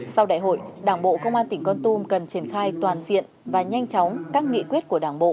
sau đại hội đảng bộ công an tỉnh con tum cần triển khai toàn diện và nhanh chóng các nghị quyết của đảng bộ